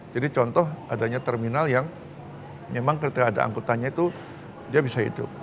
jadi contoh adanya terminal yang memang ketika ada angkutannya itu dia bisa hidup